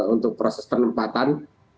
untuk proses penempatan